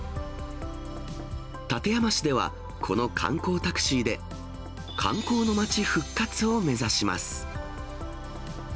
館山市では、この観光タクシーで、観光の町復活を目指します。